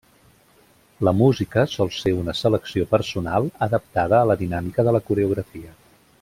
La música sol ser una selecció personal adaptada a la dinàmica de la coreografia.